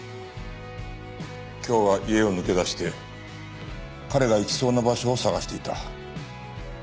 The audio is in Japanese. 今日は家を抜け出して彼が行きそうな場所を捜していた。